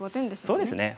そうですね